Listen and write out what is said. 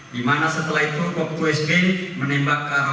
dimana setelah itu kop dua sb menembak karantina